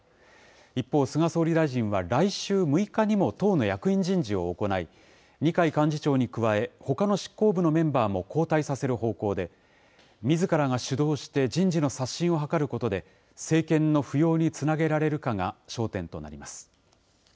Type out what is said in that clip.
一方、菅総理大臣は来週６日にも党の役員人事を行い、二階幹事長に加えほかの執行部のメンバーも交代させる方向で、みずからが主導して人事の刷新を図ることで、政権の浮揚につなげられるかが焦点となります。